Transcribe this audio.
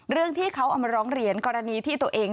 เรื่องที่เขาเอามาร้องเรียนกรณีที่ตัวเอง